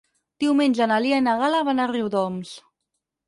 Diumenge na Lia i na Gal·la van a Riudoms.